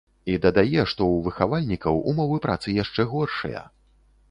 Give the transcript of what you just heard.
І дадае, што ў выхавальнікаў умовы працы яшчэ горшыя.